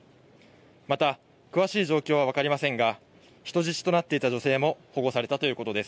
また詳しい状況は分かりませんが人質となっていた女性も保護されたということです。